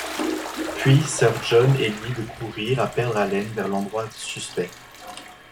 Puis, sir John et lui de courir à perdre haleine vers l’endroit suspect.